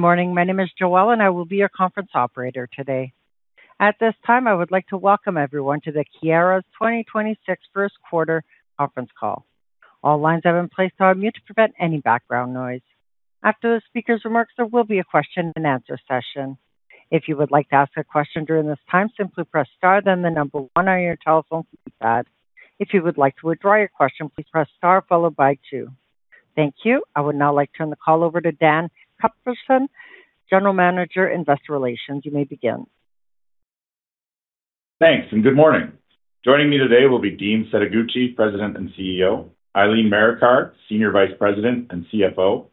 Morning. My name is Joelle, and I will be your conference operator today. At this time, I would like to welcome everyone to the Keyera's 2026 first quarter conference call. All lines have been placed on mute to prevent any background noise. After the speaker's remarks, there will be a question and answer session. If you would like to ask a question during this time, simply press star, then one on your telephone keypad. If you would like to withdraw your question, please press star followed by two. Thank you. I would now like to turn the call over to Dan Cuthbertson, General Manager, Investor Relations. You may begin. Thanks, and good morning. Joining me today will be Dean Setoguchi, President and CEO; Eileen Marikar, Senior Vice President and CFO;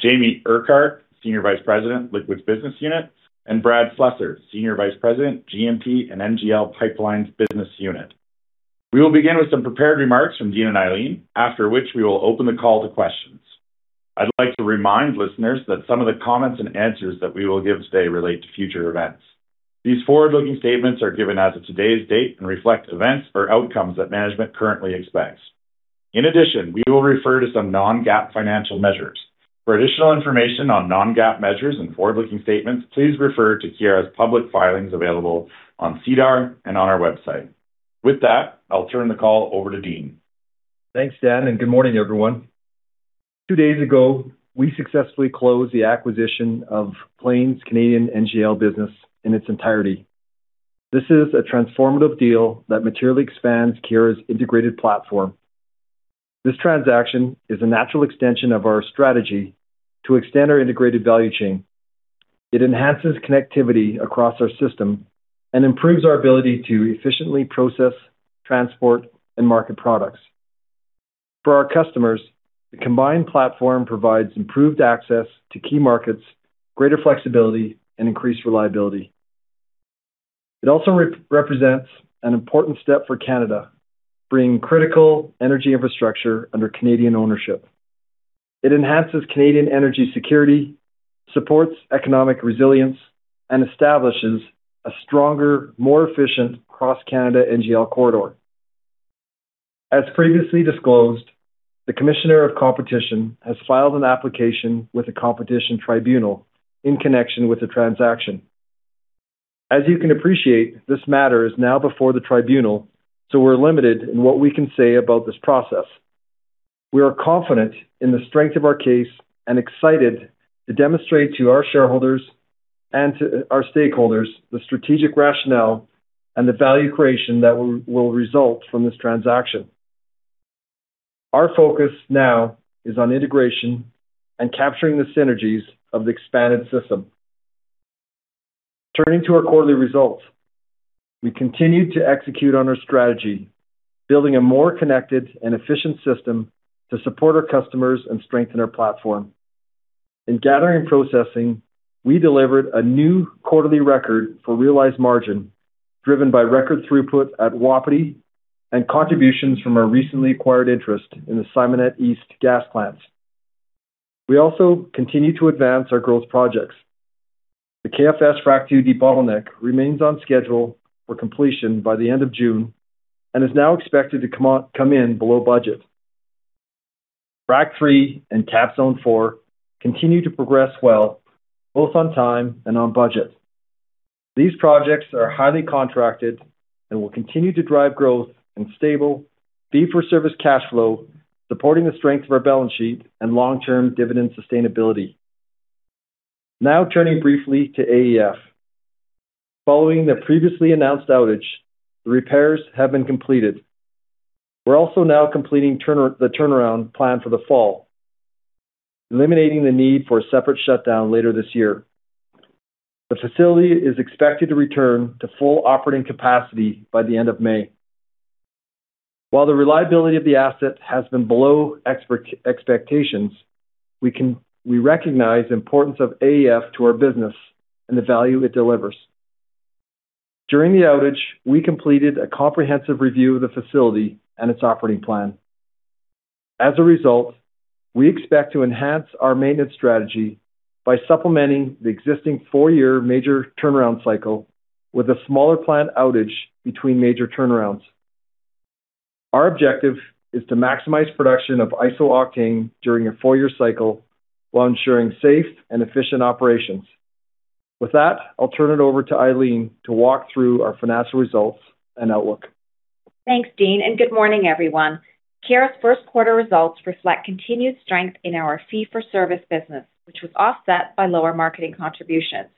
Jamie Urquhart, Senior Vice President, Liquids Business Unit; and Brad Slessor, Senior Vice President, G&P and NGL Pipelines Business Unit. We will begin with some prepared remarks from Dean and Eileen, after which we will open the call to questions. I'd like to remind listeners that some of the comments and answers that we will give today relate to future events. These forward-looking statements are given as of today's date and reflect events or outcomes that management currently expects. In addition, we will refer to some non-GAAP financial measures. For additional information on non-GAAP measures and forward-looking statements, please refer to Keyera's public filings available on SEDAR and on our website. With that, I'll turn the call over to Dean. Thanks, Dan, and good morning, everyone. Two days ago, we successfully closed the acquisition of Plains' Canadian NGL business in its entirety. This is a transformative deal that materially expands Keyera's integrated platform. This transaction is a natural extension of our strategy to extend our integrated value chain. It enhances connectivity across our system and improves our ability to efficiently process, transport, and market products. For our customers, the combined platform provides improved access to key markets, greater flexibility, and increased reliability. It also represents an important step for Canada, bringing critical energy infrastructure under Canadian ownership. It enhances Canadian energy security, supports economic resilience, and establishes a stronger, more efficient cross-Canada NGL corridor. As previously disclosed, the Commissioner of Competition has filed an application with the Competition Tribunal in connection with the transaction. As you can appreciate, this matter is now before the tribunal, we're limited in what we can say about this process. We are confident in the strength of our case and excited to demonstrate to our shareholders and to our stakeholders the strategic rationale and the value creation that will result from this transaction. Our focus now is on integration and capturing the synergies of the expanded system. Turning to our quarterly results. We continued to execute on our strategy, building a more connected and efficient system to support our customers and strengthen our platform. In Gathering and Processing, we delivered a new quarterly record for realized margin, driven by record throughput at Wapiti and contributions from our recently acquired interest in the Simonette East gas plants. We also continue to advance our growth projects. The KFS Frac II debottleneck remains on schedule for completion by the end of June and is now expected to come in below budget. Frac III and KAPS Zone four continue to progress well, both on time and on budget. These projects are highly contracted and will continue to drive growth and stable fee-for-service cash flow, supporting the strength of our balance sheet and long-term dividend sustainability. Turning briefly to AEF. Following the previously announced outage, the repairs have been completed. We're also now completing the turnaround planned for the fall, eliminating the need for a separate shutdown later this year. The facility is expected to return to full operating capacity by the end of May. While the reliability of the asset has been below expectations, we recognize the importance of AEF to our business and the value it delivers. During the outage, we completed a comprehensive review of the facility and its operating plan. As a result, we expect to enhance our maintenance strategy by supplementing the existing four-year major turnaround cycle with a smaller planned outage between major turnarounds. Our objective is to maximize production of iso-octane during a four-year cycle while ensuring safe and efficient operations. With that, I'll turn it over to Eileen to walk through our financial results and outlook. Thanks, Dean, good morning, everyone. Keyera's first quarter results reflect continued strength in our fee for service business, which was offset by lower Marketing contributions.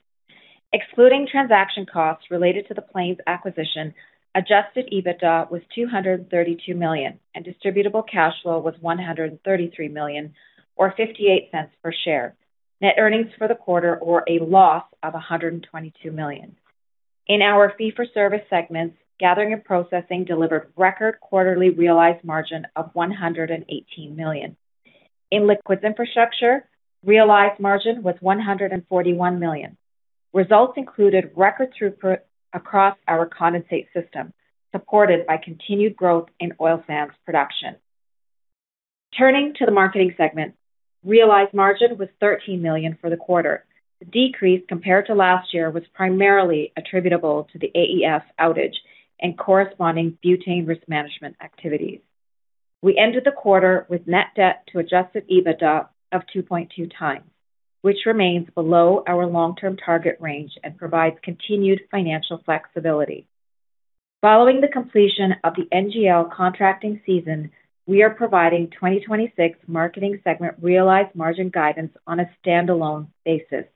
Excluding transaction costs related to the Plains acquisition, adjusted EBITDA was 232 million, distributable cash flow was 133 million or 0.58 per share. Net earnings for the quarter or a loss of 122 million. In our fee for service segments, Gathering and Processing delivered record quarterly realized margin of 118 million. In Liquids Infrastructure, realized margin was 141 million. Results included record throughput across our condensate system, supported by continued growth in oil sands production. Turning to the Marketing segment, realized margin was 13 million for the quarter. The decrease compared to last year was primarily attributable to the AEF outage and corresponding butane risk management activities. We ended the quarter with net debt to adjusted EBITDA of 2.2x, which remains below our long-term target range and provides continued financial flexibility. Following the completion of the NGL contracting season, we are providing 2026 Marketing segment realized margin guidance on a standalone basis.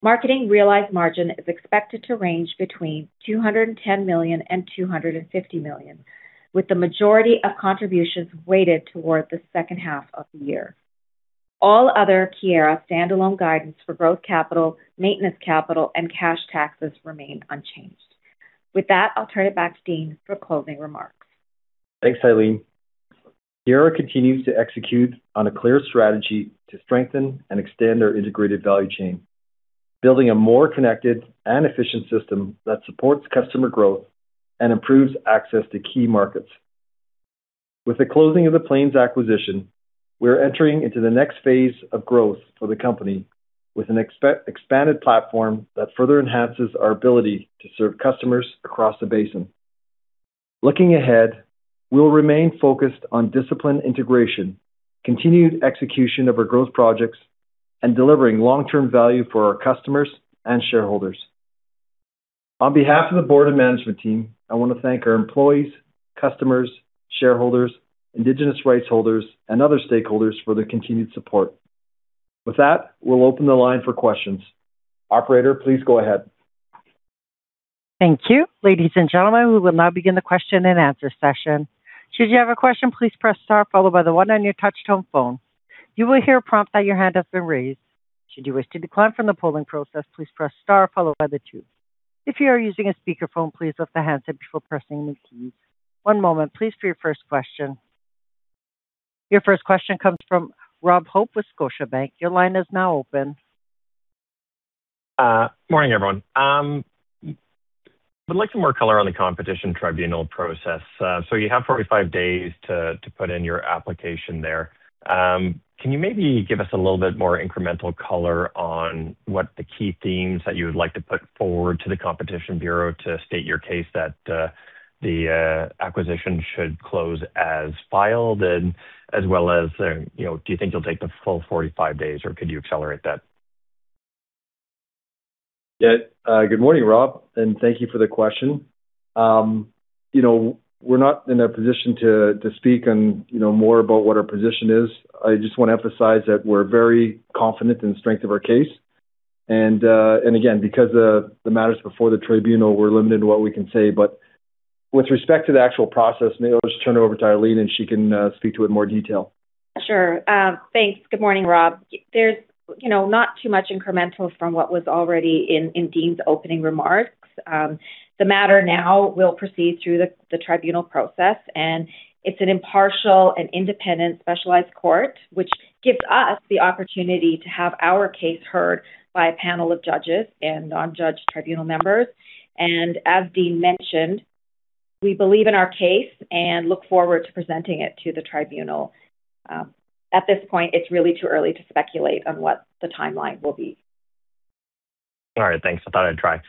Marketing realized margin is expected to range between 210 million and 250 million, with the majority of contributions weighted toward the second half of the year. All other Keyera standalone guidance for growth capital, maintenance capital and cash taxes remain unchanged. With that, I'll turn it back to Dean for closing remarks. Thanks, Eileen. Keyera continues to execute on a clear strategy to strengthen and extend our integrated value chain, building a more connected and efficient system that supports customer growth and improves access to key markets. With the closing of the Plains acquisition, we are entering into the next phase of growth for the company with an expanded platform that further enhances our ability to serve customers across the basin. Looking ahead, we will remain focused on disciplined integration, continued execution of our growth projects and delivering long-term value for our customers and shareholders. On behalf of the board and management team, I want to thank our employees, customers, shareholders, indigenous rights holders and other stakeholders for their continued support. With that, we'll open the line for questions. Operator, please go ahead. Thank you ladies and gentlemen we will now begin the question and answer session. Should you have a question please press star followed by the one on your touch tone phone. You will hear a tone by your hand raise. Should you wish to disconnect from the polling process please press star followed by the two. If you are using a speaker phone please let me hear you press me key. One moment please for your first question. Your first question comes from Robert Hope with Scotiabank. Your line is now open. Morning, everyone. Would like some more color on the Competition Tribunal process. You have 45 days to put in your application there. Can you maybe give us a little bit more incremental color on what the key themes that you would like to put forward to the Competition Bureau to state your case that the acquisition should close as filed? As well as, you know, do you think you'll take the full 45 days, or could you accelerate that? Yeah. Good morning, Rob, and thank you for the question. You know, we're not in a position to speak on, you know, more about what our position is. I just wanna emphasize that we're very confident in the strength of our case. Again, because of the matters before the tribunal, we're limited in what we can say. With respect to the actual process, maybe I'll just turn it over to Eileen, and she can speak to it in more detail. Sure. Thanks. Good morning, Rob. There's, you know, not too much incremental from what was already in Dean's opening remarks. The matter now will proceed through the tribunal process. It's an impartial and independent specialized court, which gives us the opportunity to have our case heard by a panel of judges and non-judge tribunal members. As Dean mentioned, we believe in our case and look forward to presenting it to the tribunal. At this point, it's really too early to speculate on what the timeline will be. All right. Thanks. I thought I'd try.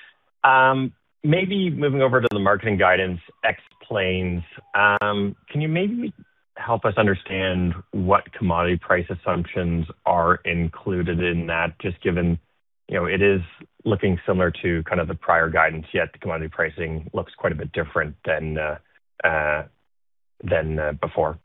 Maybe moving over to the Marketing guidance ex-Plains, can you maybe help us understand what commodity price assumptions are included in that, just given, you know, it is looking similar to kind of the prior guidance, yet the commodity pricing looks quite a bit different than before?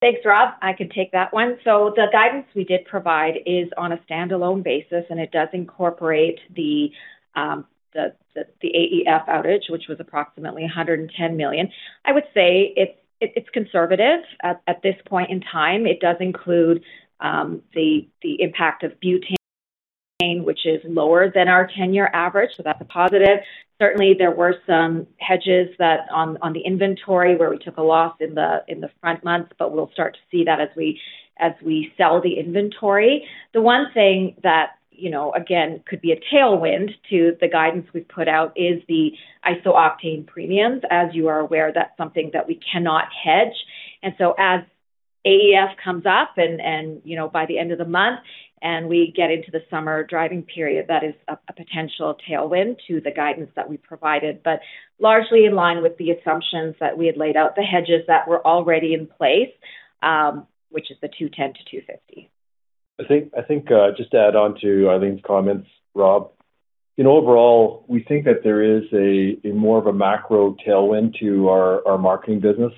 Thanks, Rob. I can take that one. The guidance we did provide is on a standalone basis, and it does incorporate the AEF outage, which was approximately 110 million. I would say it's conservative at this point in time. It does include the impact of butane, which is lower than our 10-year average, so that's a positive. Certainly, there were some hedges that on the inventory where we took a loss in the front months, but we'll start to see that as we sell the inventory. The one thing that, you know, again, could be a tailwind to the guidance we've put out is the iso-octane premiums. As you are aware, that's something that we cannot hedge. As AEF comes up and, you know, by the end of the month and we get into the summer driving period, that is a potential tailwind to the guidance that we provided, but largely in line with the assumptions that we had laid out, the hedges that were already in place, which is the 210-250. I think, just to add on to Eileen's comments, Rob, you know, overall, we think that there is a more of a macro tailwind to our Marketing business.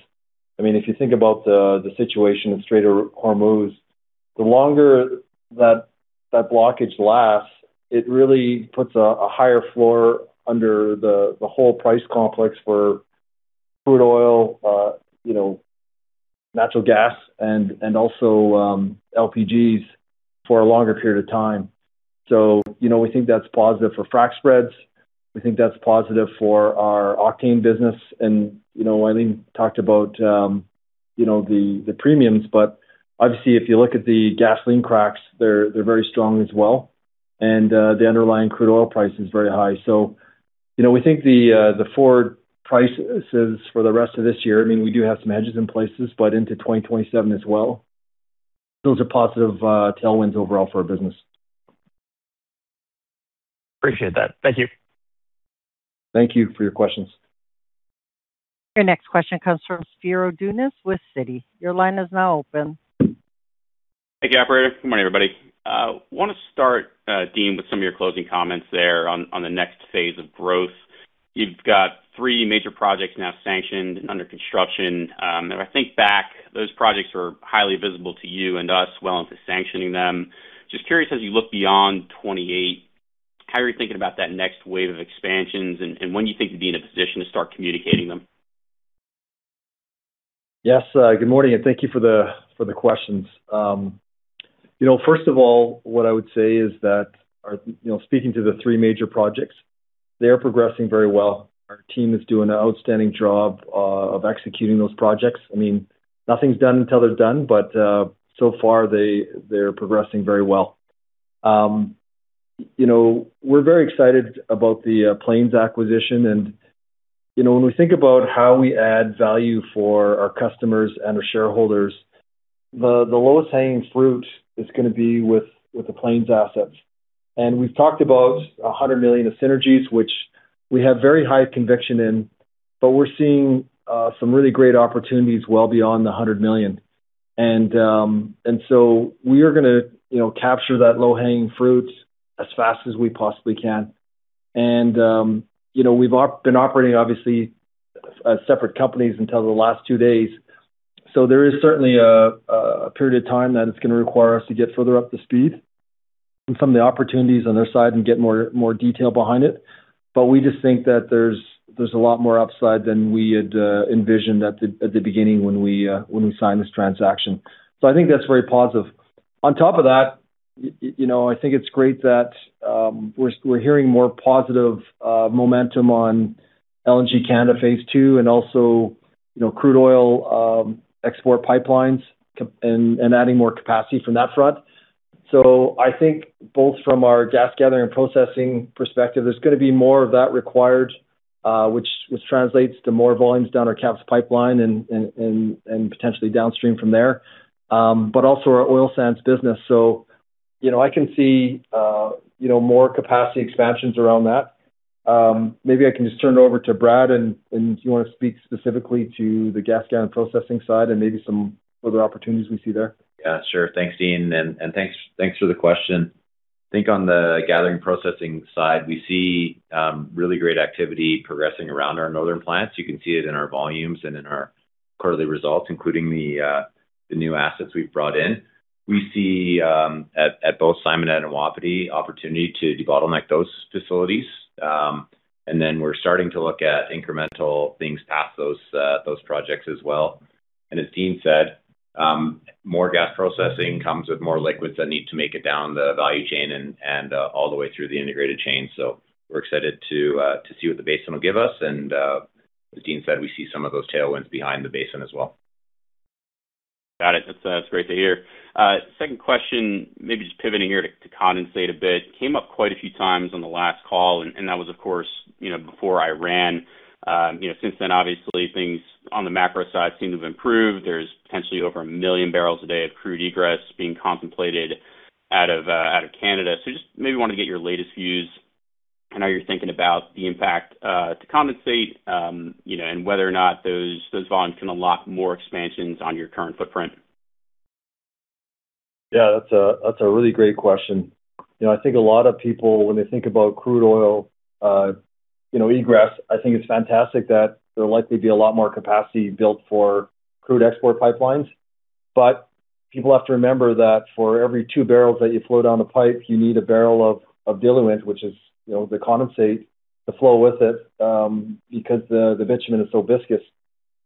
I mean, if you think about the situation in Strait of Hormuz, the longer that blockage lasts, it really puts a higher floor under the whole price complex for crude oil, you know, natural gas and also LPGs for a longer period of time. You know, we think that's positive for frac spreads. We think that's positive for our octane business. You know, Eileen talked about, you know, the premiums, but obviously, if you look at the gasoline cracks, they're very strong as well. The underlying crude oil price is very high. You know, we think the forward prices for the rest of this year, I mean, we do have some hedges in places, but into 2027 as well, those are positive, tailwinds overall for our business. Appreciate that. Thank you. Thank you for your questions. Your next question comes from Spiro Dounis with Citi. Your line is now open. Hey, operator. Good morning, everybody. Wanna start, Dean, with some of your closing comments there on the next phase of growth. You've got three major projects now sanctioned and under construction. If I think back, those projects were highly visible to you and us well into sanctioning them. Just curious, as you look beyond 2028, how are you thinking about that next wave of expansions and when do you think you'll be in a position to start communicating them? Yes. Good morning, and thank you for the questions. You know, first of all, what I would say is that our, you know, speaking to the three major projects, they are progressing very well. Our team is doing an outstanding job of executing those projects. I mean, nothing's done until they're done, but so far they're progressing very well. You know, we're very excited about the Plains acquisition and, you know, when we think about how we add value for our customers and our shareholders, the lowest hanging fruit is going to be with the Plains assets. We've talked about 100 million of synergies, which we have very high conviction in, but we're seeing some really great opportunities well beyond 100 million. We are gonna, you know, capture that low-hanging fruit as fast as we possibly can. You know, we've been operating obviously as separate companies until the last two days, so there is certainly a period of time that it's gonna require us to get further up to speed on some of the opportunities on their side and get more detail behind it. We just think that there's a lot more upside than we had envisioned at the beginning when we signed this transaction. I think that's very positive. On top of that, you know, I think it's great that we're hearing more positive momentum on LNG Canada Phase 2 and also, you know, crude oil export pipelines and adding more capacity from that front. I think both from our gas gathering and processing perspective, there's gonna be more of that required, which translates to more volumes down our KAPS Pipeline and potentially downstream from there, but also our oil sands business. You know, I can see, you know, more capacity expansions around that. Maybe I can just turn it over to Brad, and if you wanna speak specifically to the gas gathering and processing side and maybe some other opportunities we see there. Yeah, sure. Thanks, Dean, and thanks for the question. I think on the Gathering and Processing side, we see really great activity progressing around our northern plants. You can see it in our volumes and in our quarterly results, including the new assets we've brought in. We see at both Simonette and Wapiti opportunity to debottleneck those facilities. Then we're starting to look at incremental things past those projects as well. As Dean said, more gas processing comes with more liquids that need to make it down the value chain and all the way through the integrated chain. We're excited to see what the basin will give us. As Dean said, we see some of those tailwinds behind the basin as well. Got it. That's great to hear. Second question, maybe just pivoting here to condensate a bit, came up quite a few times on the last call and that was of course, you know, before Iran. You know, since then obviously things on the macro side seem to have improved. There's potentially over 1 million barrels a day of crude egress being contemplated out of Canada. Just maybe wanna get your latest views on how you're thinking about the impact to condensate, you know, and whether or not those volumes can unlock more expansions on your current footprint. Yeah, that's a really great question. You know, I think a lot of people when they think about crude oil, you know, egress, I think it's fantastic that there'll likely be a lot more capacity built for crude export pipelines. People have to remember that for every two barrels that you flow down a pipe, you need one barrel of diluent, which is, you know, the condensate, to flow with it because the bitumen is so viscous.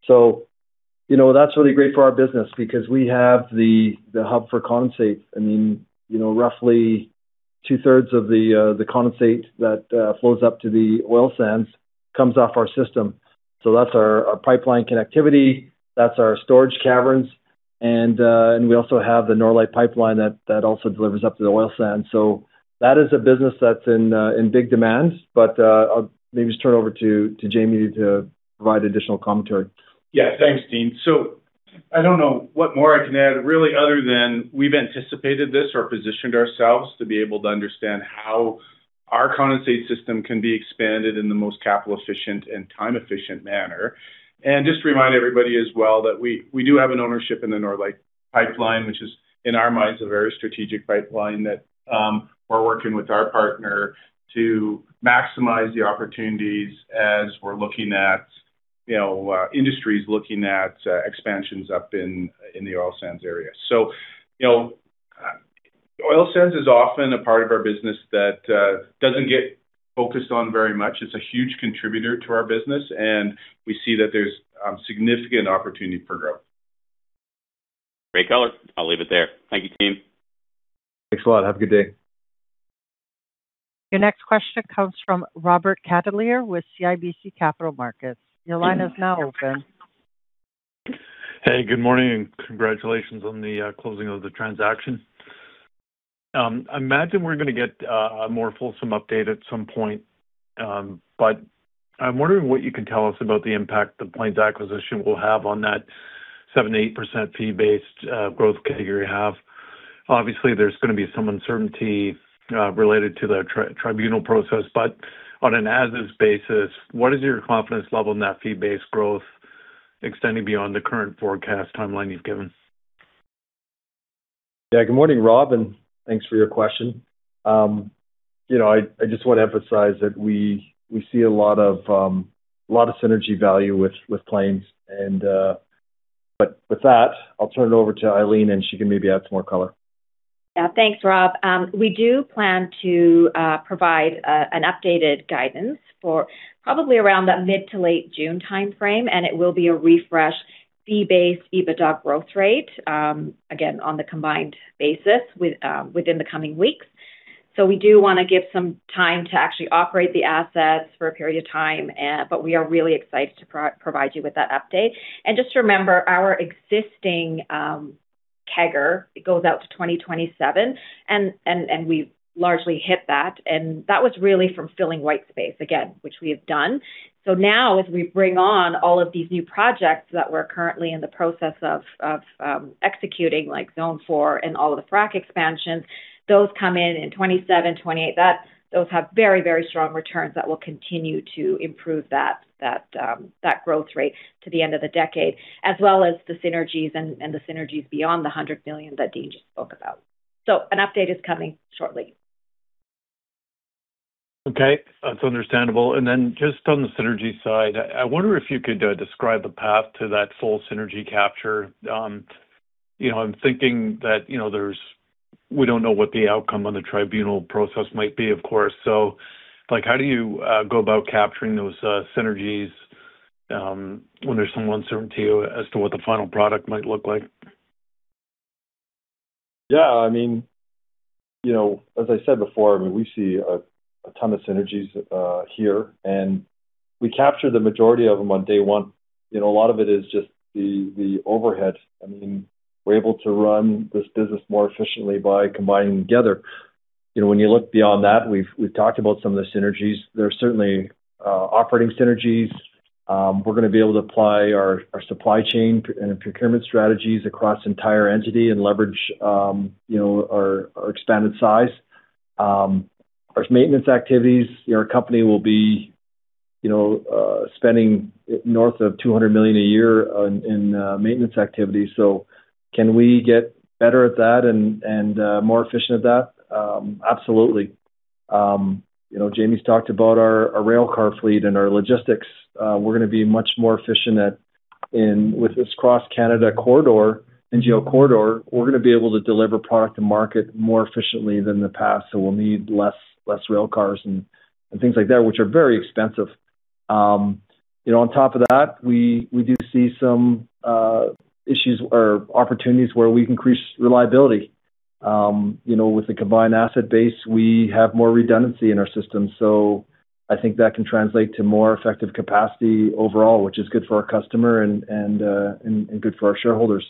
You know, that's really great for our business because we have the hub for condensate. I mean, you know, roughly two-thirds of the condensate that flows up to the oil sands comes off our system. That's our pipeline connectivity, that's our storage caverns, and we also have the Norlite Pipeline that also delivers up to the oil sand. That is a business that's in big demand. I'll maybe just turn over to Jamie to provide additional commentary. Yeah. Thanks, Dean. I don't know what more I can add really other than we've anticipated this or positioned ourselves to be able to understand how our condensate system can be expanded in the most capital efficient and time efficient manner. Just to remind everybody as well that we do have an ownership in the Norlite Pipeline, which is in our minds a very strategic pipeline that we're working with our partner to maximize the opportunities as we're looking at, you know, industries looking at expansions up in the oil sands area. You know, oil sands is often a part of our business that doesn't get focused on very much. It's a huge contributor to our business, and we see that there's significant opportunity for growth. Great color. I'll leave it there. Thank you, team. Thanks a lot. Have a good day. Your next question comes from Robert Catellier with CIBC Capital Markets. Your line is now open. Hey, good morning and congratulations on the closing of the transaction. I imagine we're gonna get a more fulsome update at some point. I'm wondering what you can tell us about the impact the Plains acquisition will have on that 7%, 8% fee-based growth category you have. Obviously, there's gonna be some uncertainty related to the Competition Tribunal process. On an as is basis, what is your confidence level in that fee-based growth extending beyond the current forecast timeline you've given? Yeah. Good morning, Rob, and thanks for your question. You know, I just wanna emphasize that we see a lot of synergy value with Plains. With that, I'll turn it over to Eileen, and she can maybe add some more color. Thanks, Rob. We do plan to provide an updated guidance for probably around the mid to late June timeframe, it will be a refreshed fee-based EBITDA growth rate again, on the combined basis within the coming weeks. We do want to give some time to actually operate the assets for a period of time, we are really excited to provide you with that update. Just remember, our existing CAGR, it goes out to 2027, and we've largely hit that. That was really from filling white space, again, which we have done. Now as we bring on all of these new projects that we're currently in the process of executing, like Zone Four and all of the frac expansions, those come in in 2027, 2028. Those have very strong returns that will continue to improve that growth rate to the end of the decade, as well as the synergies and the synergies beyond 100 million that Dean just spoke about. An update is coming shortly. Okay. That's understandable. Just on the synergy side, I wonder if you could describe the path to that full synergy capture. You know, I'm thinking that, you know, we don't know what the outcome on the tribunal process might be, of course. How do you go about capturing those synergies when there's some uncertainty as to what the final product might look like? I mean, you know, as I said before, I mean, we see a ton of synergies here, and we capture the majority of them on day one. You know, a lot of it is just the overhead. I mean, we're able to run this business more efficiently by combining together. You know, when you look beyond that, we've talked about some of the synergies. There are certainly operating synergies. We're gonna be able to apply our supply chain and procurement strategies across entire entity and leverage, you know, our expanded size. Our maintenance activities, our company will be, you know, spending north of 200 million a year on maintenance activities. Can we get better at that and more efficient at that? Absolutely. You know, Jamie's talked about our rail car fleet and our logistics. We're gonna be much more efficient with this cross Canada corridor, NGL corridor, we're gonna be able to deliver product to market more efficiently than the past. We'll need less rail cars and things like that, which are very expensive. You know, on top of that, we do see some issues or opportunities where we increase reliability. You know, with the combined asset base, we have more redundancy in our system, I think that can translate to more effective capacity overall, which is good for our customer and good for our shareholders.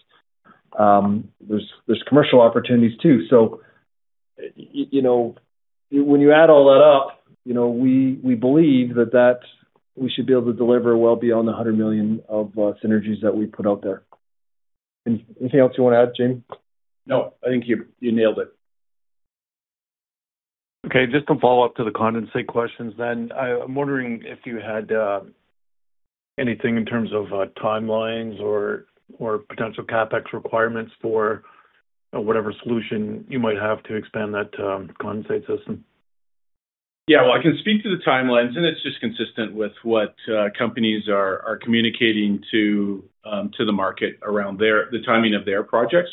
There's commercial opportunities too. You know, when you add all that up, you know, we believe that we should be able to deliver well beyond the 100 million of synergies that we put out there. Anything else you wanna add, Jamie? No. I think you nailed it. Okay. Just to follow up to the condensate questions, I'm wondering if you had anything in terms of timelines or potential CapEx requirements for whatever solution you might have to expand that condensate system. Yeah. Well, I can speak to the timelines. It's just consistent with what companies are communicating to the market around the timing of their projects.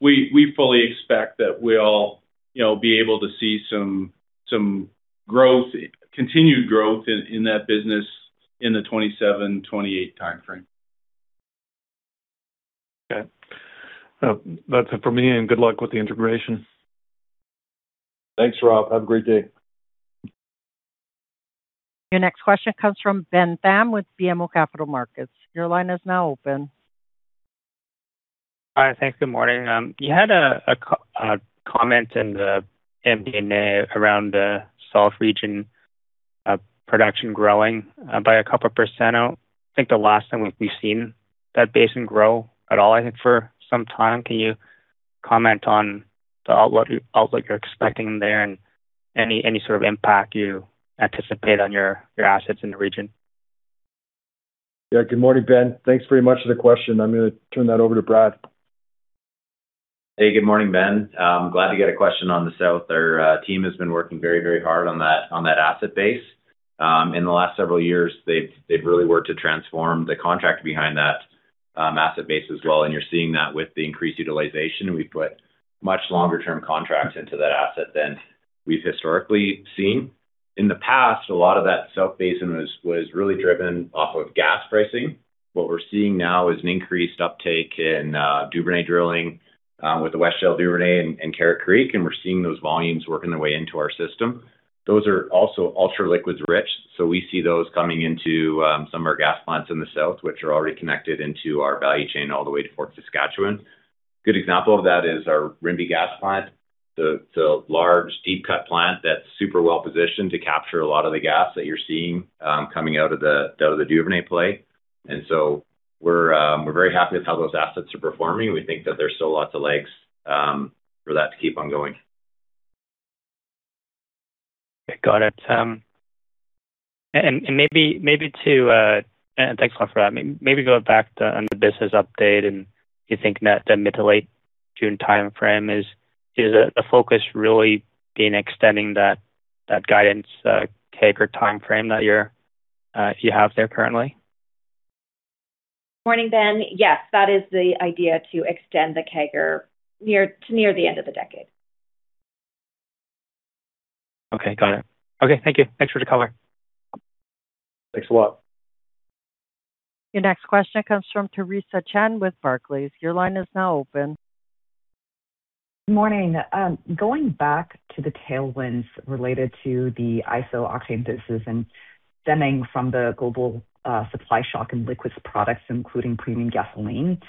We fully expect that we'll, you know, be able to see some growth, continued growth in that business in the 2027, 2028 timeframe. Okay. That's it for me, and good luck with the integration. Thanks, Rob. Have a great day. Your next question comes from Benjamin Pham with BMO Capital Markets. Your line is now open. All right. Thanks. Good morning. You had a comment in the MD&A around the south region production growing by a couple percent. I think the last time we've seen that basin grow at all for some time. Can you comment on the outlook you're expecting there and any sort of impact you anticipate on your assets in the region? Yeah. Good morning, Ben. Thanks very much for the question. I'm gonna turn that over to Brad. Hey. Good morning, Ben. glad to get a question on the south. Our team has been working very, very hard on that asset base. In the last several years, they've really worked to transform the contract behind that asset base as well, and you're seeing that with the increased utilization. We've put much longer term contracts into that asset than we've historically seen. In the past, a lot of that south basin was really driven off of gas pricing. What we're seeing now is an increased uptake in Duvernay drilling with the West Shale Duvernay and Carrot Creek, and we're seeing those volumes working their way into our system. Those are also ultra liquids rich, so we see those coming into some of our gas plants in the south, which are already connected into our value chain all the way to Fort Saskatchewan. Good example of that is our Rimbey Gas Plant, the large deep cut plant that's super well-positioned to capture a lot of the gas that you're seeing coming out of the Duvernay play. We're very happy with how those assets are performing. We think that there's still lots of legs for that to keep on going. Got it. Thanks a lot for that. Go back to on the business update, you think that the mid to late June timeframe is the focus really been extending that guidance CAGR timeframe that you have there currently? Morning, Ben. Yes, that is the idea to extend the CAGR to near the end of the decade. Okay, got it. Okay, thank you. Thanks for the color. Thanks a lot. Your next question comes from Teresa Chen with Barclays. Your line is now open. Morning. Going back to the tailwinds related to the iso-octane business and stemming from the global supply shock in liquids products, including premium gasoline,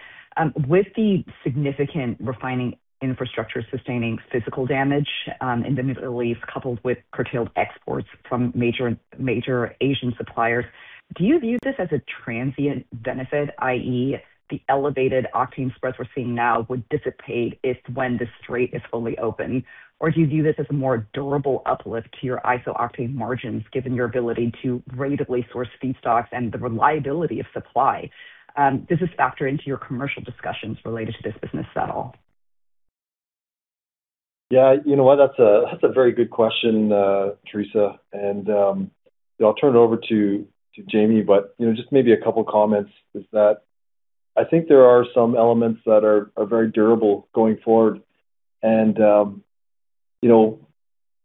with the significant refining infrastructure sustaining physical damage in the Middle East, coupled with curtailed exports from major Asian suppliers, do you view this as a transient benefit, i.e., the elevated octane spreads we're seeing now would dissipate if when the strait is fully open? Do you view this as a more durable uplift to your iso-octane margins, given your ability to creatively source feedstocks and the reliability of supply? Does this factor into your commercial discussions related to this business at all? Yeah, you know what? That's a very good question, Teresa. I'll turn it over to Jamie. You know, just maybe a couple of comments is that I think there are some elements that are very durable going forward. You know,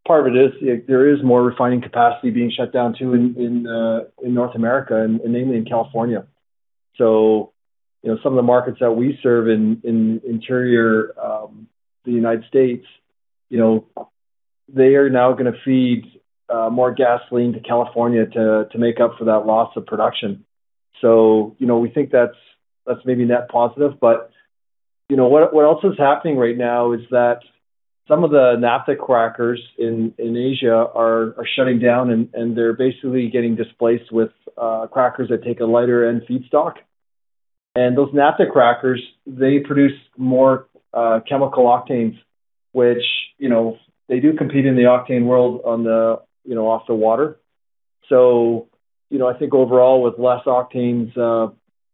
part of it is there is more refining capacity being shut down, too, in North America and namely in California. You know, some of the markets that we serve in interior the United States, you know, they are now gonna feed more gasoline to California to make up for that loss of production. You know, we think that's maybe net positive. You know, what else is happening right now is that some of the naphtha crackers in Asia are shutting down, and they're basically getting displaced with crackers that take a lighter end feedstock. Those naphtha crackers, they produce more chemical octanes, which, you know, they do compete in the octane world on the, you know, off the water. You know, I think overall with less octanes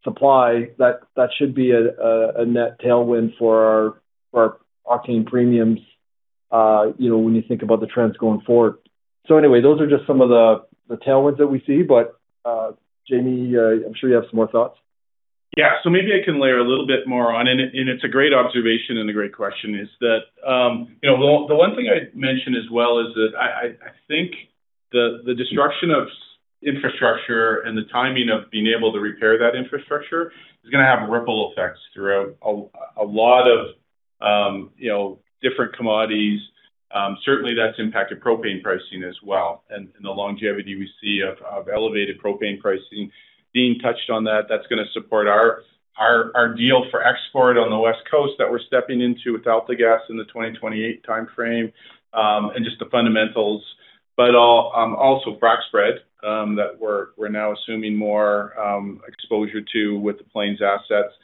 supply, that should be a net tailwind for our octane premiums, you know, when you think about the trends going forward. Anyway, those are just some of the tailwinds that we see. Jamie, I'm sure you have some more thoughts. Yeah. Maybe I can layer a little bit more on. It, and it's a great observation and a great question, is that, you know, the one thing I'd mention as well is that I, I think the destruction of infrastructure and the timing of being able to repair that infrastructure is gonna have ripple effects throughout a lot of, you know, different commodities. Certainly that's impacted propane pricing as well. And the longevity we see of elevated propane pricing. Dean touched on that. That's gonna support our deal for export on the West Coast that we're stepping into with AltaGas in the 2028 timeframe, and just the fundamentals. Also frac spread that we're now assuming more exposure to with the Plains assets.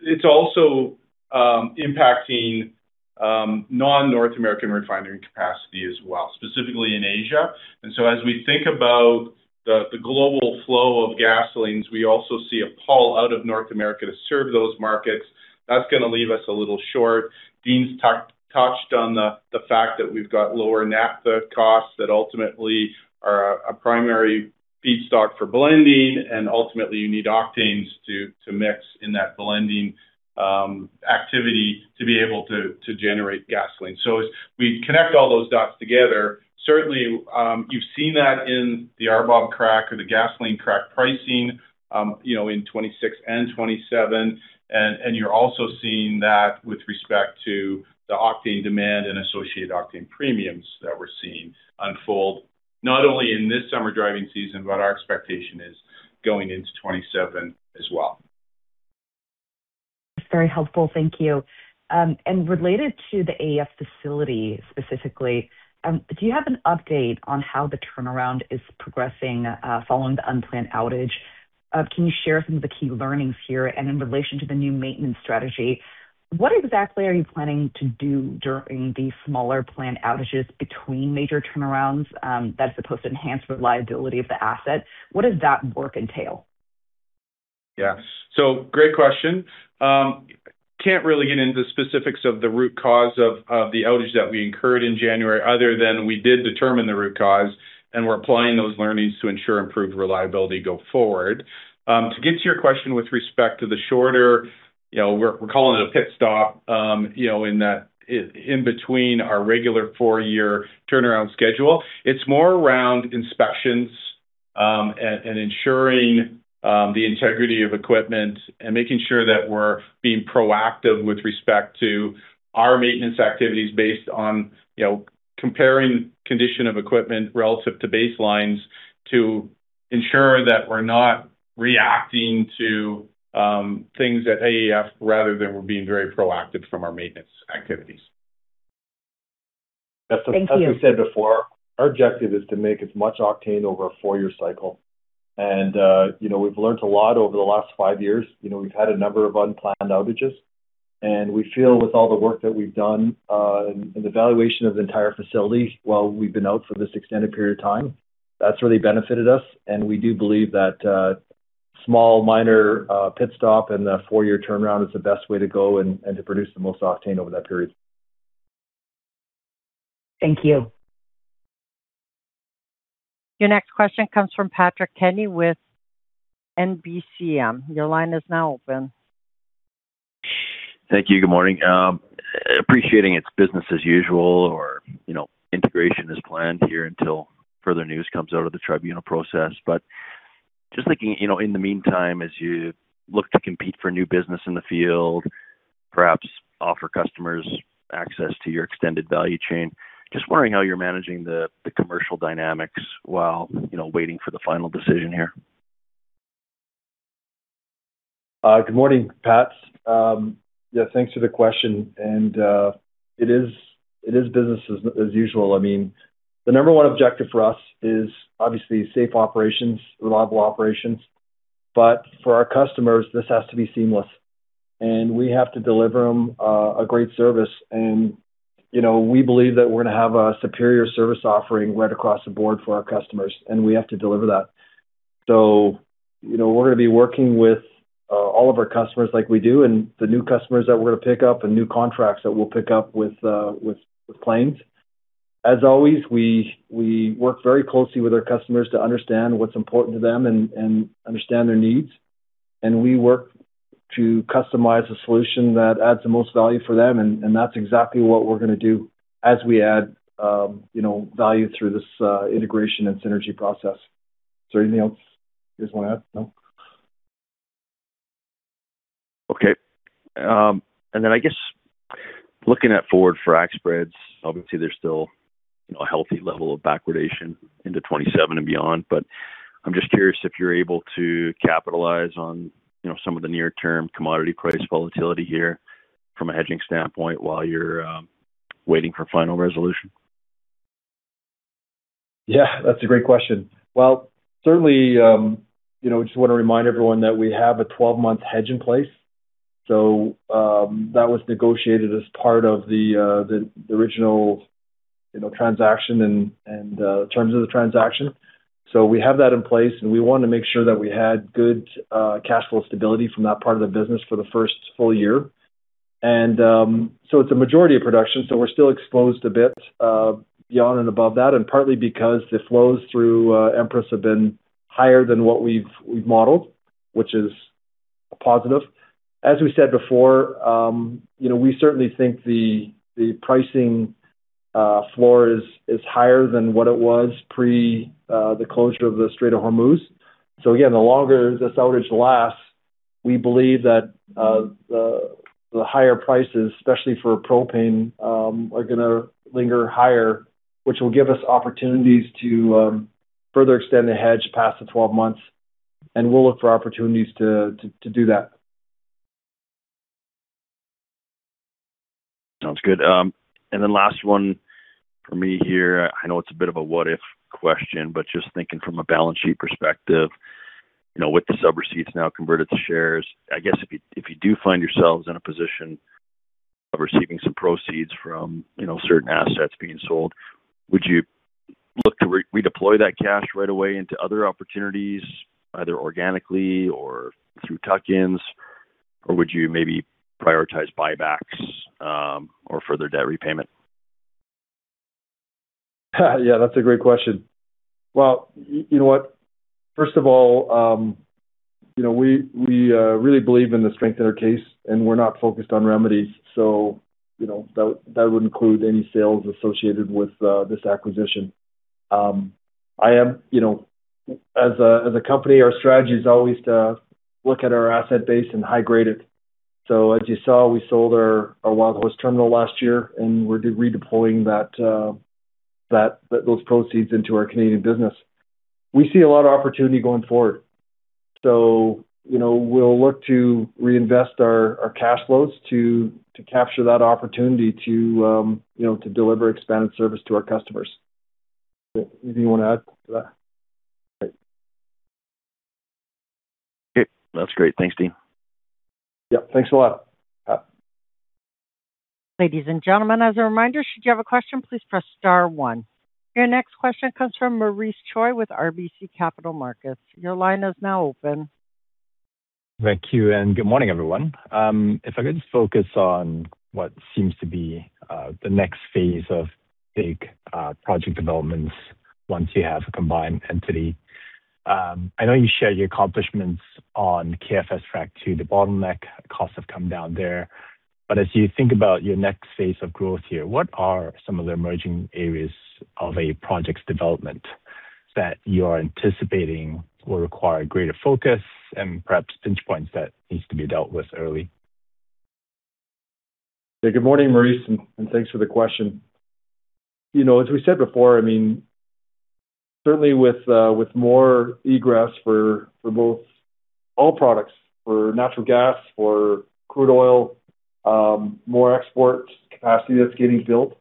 It's also impacting non-North American refinery capacity as well, specifically in Asia. As we think about the global flow of gasolines, we also see a pull out of North America to serve those markets. That's gonna leave us a little short. Dean's touched on the fact that we've got lower naphtha costs that ultimately are a primary feedstock for blending, and ultimately you need octanes to mix in that blending activity to be able to generate gasoline. As we connect all those dots together, certainly, you've seen that in the RBOB crack or the gasoline crack pricing, you know, in 2026 and 2027. You're also seeing that with respect to the octane demand and associated octane premiums that we're seeing unfold, not only in this summer driving season, but our expectation is going into 2027 as well. That's very helpful. Thank you. Related to the AEF facility specifically, do you have an update on how the turnaround is progressing, following the unplanned outage? Can you share some of the key learnings here? In relation to the new maintenance strategy, what exactly are you planning to do during the smaller planned outages between major turnarounds, that's supposed to enhance reliability of the asset? What does that work entail? Yeah. Great question. Can't really get into the specifics of the root cause of the outage that we incurred in January, other than we did determine the root cause, and we're applying those learnings to ensure improved reliability go forward. To get to your question with respect to the shorter, we're calling it a pit stop, in that in between our regular four-year turnaround schedule. It's more around inspections, and ensuring the integrity of equipment and making sure that we're being proactive with respect to our maintenance activities based on comparing condition of equipment relative to baselines to. Ensure that we're not reacting to things at AEF rather than we're being very proactive from our maintenance activities. Thank you. As we said before, our objective is to make as much octane over a four-year cycle. You know, we've learned a lot over the last five years. You know, we've had a number of unplanned outages. We feel with all the work that we've done, in the valuation of the entire facility while we've been out for this extended period of time, that's really benefited us. We do believe that small minor pit stop and a four-year turnaround is the best way to go and to produce the most octane over that period. Thank you. Your next question comes from Patrick Kenny with NBCM. Your line is now open. Thank you. Good morning. Appreciating its business as usual or, you know, integration as planned here until further news comes out of the tribunal process. Just thinking, you know, in the meantime, as you look to compete for new business in the field, perhaps offer customers access to your extended value chain, just wondering how you're managing the commercial dynamics while, you know, waiting for the final decision here. Good morning, Pat. Thanks for the question. It is business as usual. I mean, the number one objective for us is obviously safe operations, reliable operations. For our customers, this has to be seamless, and we have to deliver them a great service. You know, we believe that we're gonna have a superior service offering right across the board for our customers, and we have to deliver that. You know, we're gonna be working with all of our customers like we do and the new customers that we're gonna pick up and new contracts that we'll pick up with Plains. As always, we work very closely with our customers to understand what's important to them and understand their needs. We work to customize a solution that adds the most value for them, and that's exactly what we're gonna do as we add, you know, value through this integration and synergy process. Is there anything else you guys wanna add? No? Okay. And then I guess looking at forward frac spreads, obviously there's still, you know, a healthy level of backwardation into 2027 and beyond, but I'm just curious if you're able to capitalize on, you know, some of the near term commodity price volatility here from a hedging standpoint while you're waiting for final resolution. Yeah, that's a great question. Well, certainly, you know, just wanna remind everyone that we have a 12-month hedge in place. That was negotiated as part of the original, you know, transaction and terms of the transaction. We have that in place, and we wanna make sure that we had good cash flow stability from that part of the business for the first full year. It's a majority of production, so we're still exposed a bit beyond and above that, and partly because the flows through Empress have been higher than what we've modeled, which is a positive. As we said before, you know, we certainly think the pricing floor is higher than what it was pre the closure of the Strait of Hormuz. Again, the longer this outage lasts, we believe that the higher prices, especially for propane, are gonna linger higher, which will give us opportunities to further extend the hedge past the 12 months, and we'll look for opportunities to do that. Sounds good. Last one for me here. I know it's a bit of a what if question, but just thinking from a balance sheet perspective, you know, with the subscription receipts now converted to shares, I guess if you, if you do find yourselves in a position of receiving some proceeds from, you know, certain assets being sold, would you look to redeploy that cash right away into other opportunities, either organically or through tuck-ins, or would you maybe prioritize buybacks or further debt repayment? Yeah, that's a great question. You know what? First of all, you know, we really believe in the strength in our case, we're not focused on remedies. You know, that would include any sales associated with this acquisition. As a company, our strategy is always to look at our asset base and high-grade it. As you saw, we sold our Wildhorse Terminal last year, and we're de-redeploying those proceeds into our Canadian business. We see a lot of opportunity going forward. You know, we'll look to reinvest our cash flows to capture that opportunity to, you know, to deliver expanded service to our customers. Anything you wanna add to that? Great. Okay. That's great. Thanks, Dean. Yep. Thanks a lot, Pat. Ladies and gentlemen, as a reminder, should you have a question, please press star one. Your next question comes from Maurice Choy with RBC Capital Markets. Your line is now open. Thank you, and good morning, everyone. If I could just focus on what seems to be the next phase of big project developments once you have a combined entity. I know you shared your accomplishments on KFS Frac II, the bottleneck costs have come down there. As you think about your next phase of growth here, what are some of the emerging areas of a project's development that you are anticipating will require greater focus and perhaps pinch points that needs to be dealt with early? Yeah. Good morning, Maurice, and thanks for the question. You know, as we said before, I mean, certainly with more egress for both oil products, for natural gas, for crude oil, more export capacity that's getting built,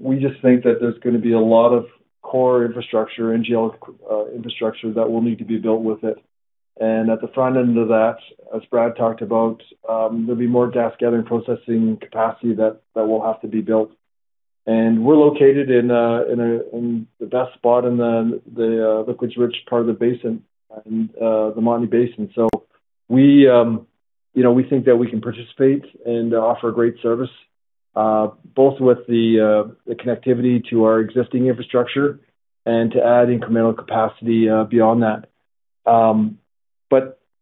we just think that there's gonna be a lot of core infrastructure and infrastructure that will need to be built with it. At the front end of that, as Brad talked about, there'll be more gas gathering processing capacity that will have to be built. We're located in the best spot in the liquids rich part of the basin and the Montney Basin. We, you know, we think that we can participate and offer a great service, both with the connectivity to our existing infrastructure and to add incremental capacity beyond that.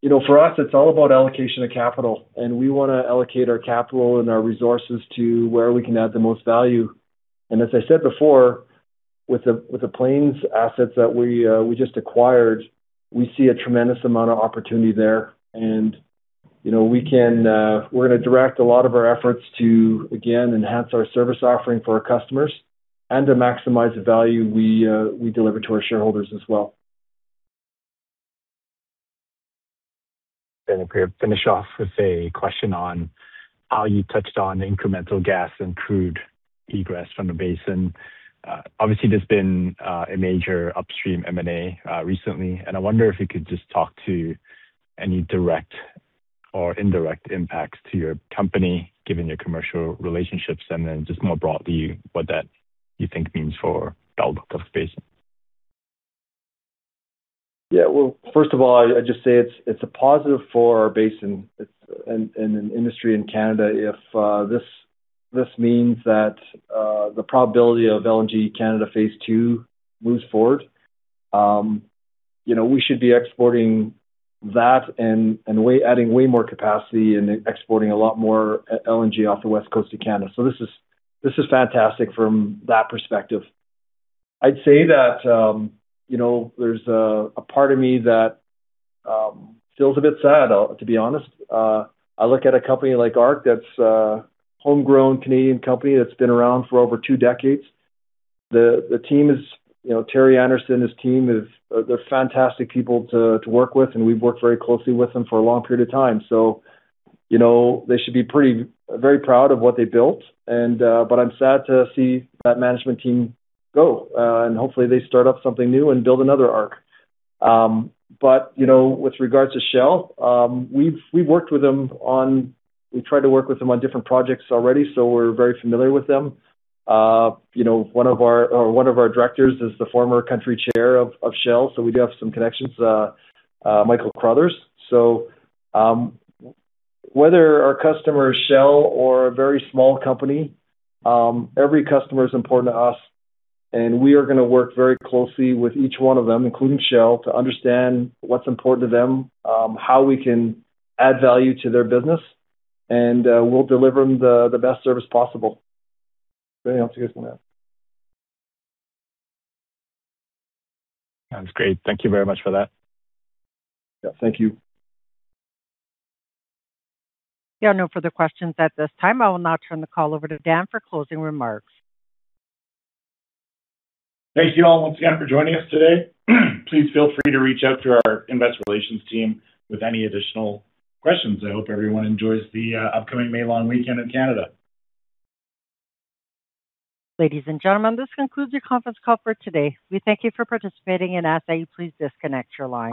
You know, for us it's all about allocation of capital, and we wanna allocate our capital and our resources to where we can add the most value. As I said before, with the Plains assets that we just acquired, we see a tremendous amount of opportunity there and, you know, we can, we're gonna direct a lot of our efforts to, again, enhance our service offering for our customers and to maximize the value we deliver to our shareholders as well. If we could finish off with a question on how you touched on incremental gas and crude egress from the basin. Obviously there's been a major upstream M&A recently, and I wonder if you could just talk to any direct or indirect impacts to your company given your commercial relationships, and then just more broadly, what that you think means for the outlook of the basin. Well, first of all, I'd just say it's a positive for our basin. It's and in industry in Canada, if this means that the probability of LNG Canada Phase 2 moves forward, you know, we should be exporting that and adding way more capacity and exporting a lot more LNG off the west coast of Canada. This is fantastic from that perspective. I'd say that, you know, there's a part of me that feels a bit sad, to be honest. I look at a company like ARC that's a homegrown Canadian company that's been around for over two decades. The team is, you know, Terry Anderson, his team is, they're fantastic people to work with, and we've worked very closely with them for a long period of time. You know, they should be very proud of what they built. I'm sad to see that management team go. Hopefully they start up something new and build another ARC. You know, with regards to Shell, we've tried to work with them on different projects already. We're very familiar with them. You know, one of our directors is the former country chair of Shell. We do have some connections, Michael Crothers. Whether our customer is Shell or a very small company, every customer is important to us, and we are gonna work very closely with each one of them, including Shell, to understand what's important to them, how we can add value to their business, and we'll deliver them the best service possible. Is there anything else you guys wanna ask? That's great. Thank you very much for that. Yeah. Thank you. There are no further questions at this time. I will now turn the call over to Dan for closing remarks. Thank you all once again for joining us today. Please feel free to reach out to our investor relations team with any additional questions. I hope everyone enjoys the upcoming May Long Weekend in Canada. Ladies and gentlemen, this concludes your conference call for today. We thank you for participating and ask that you please disconnect your lines.